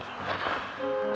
buat kiriman makanan tadi pagi